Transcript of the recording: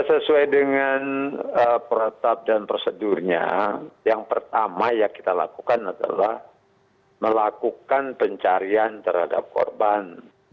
sesuai dengan protap dan prosedurnya yang pertama yang kita lakukan adalah melakukan pencarian terhadap korban